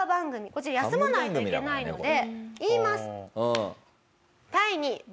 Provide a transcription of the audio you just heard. こちら休まないといけないので言います。